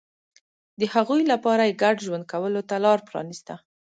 د هغوی لپاره یې ګډ ژوند کولو ته لار پرانېسته.